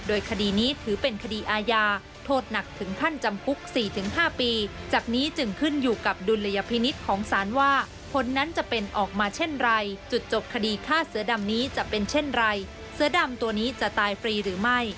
ว่าเสือดำนี้จะเป็นเช่นไรเสือดำตัวนี้จะตายฟรีหรือไม่